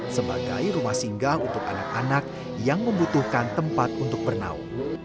sebagai rumah singgah untuk anak anak yang membutuhkan tempat untuk bernaung